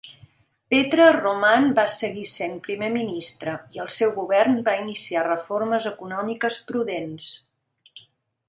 Petre Roman va seguir sent primer ministre, i el seu govern va iniciar reformes econòmiques prudents.